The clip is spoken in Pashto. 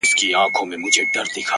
• ویل زه مي خپل پاچا یم را لېږلی ,